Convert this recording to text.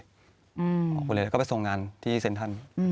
ออกไปเลยแล้วก็ไปส่งงานที่เซ็นทรัล